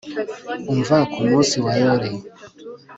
Umva ku munsi wa yore